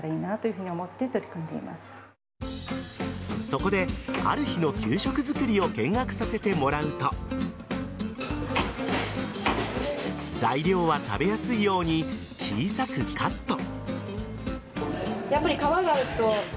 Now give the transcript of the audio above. そこで、ある日の給食作りを見学させてもらうと材料は食べやすいように小さくカット。